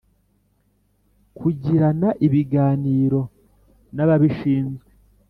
Kugiranaibiganiro naba bishinzwe